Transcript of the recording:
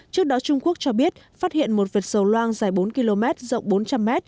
trước đó trung quốc cho biết phát hiện một vệt dầu loang dài bốn km rộng bốn trăm linh m